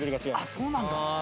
あっそうなんだ。